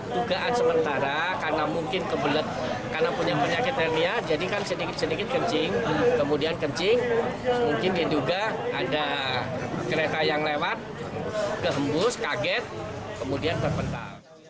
dugaan sementara karena mungkin kebelet karena punya penyakit herlia jadi kan sedikit sedikit kencing kemudian kencing mungkin diduga ada kereta yang lewat kehembus kaget kemudian terpental